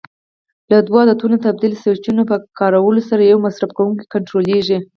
له دوو عددونو تبدیل سویچونو په کارولو سره یو مصرف کوونکی کنټرولېږي.